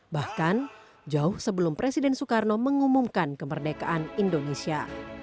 bahkan jauh sebelum presiden soekarno mengumumkan kemerdekaan indonesia